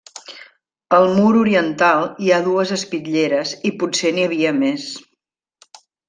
Al mur oriental hi ha dues espitlleres i potser n'hi havia més.